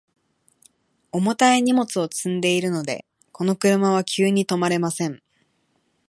重たい荷物を積んでいるので、この車は急に止まれません。